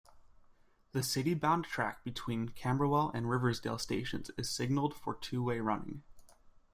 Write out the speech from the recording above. The city-bound track between Camberwell and Riversdale stations is signalled for two-way running.